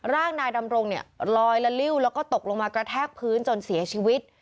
ร่างนายดำรงเนี่ยลอยละลิ้วแล้วก็ตกลงมากระแทกพื้นจนเสียชีวิต